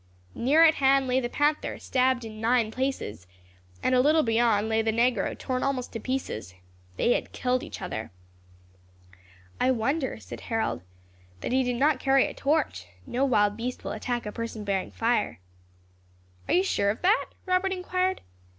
Near at hand lay the panther, stabbed in nine places, and a little beyond lay the negro, torn almost to pieces. They had killed each other." "I wonder," said Harold, "that he did not carry a torch; no wild beast will attack a person bearing fire." "Are you sure of that?" Robert inquired.